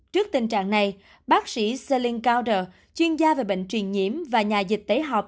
trước tình trạng này bác sĩ selin gouders chuyên gia về bệnh truyền nhiễm và nhà dịch tế học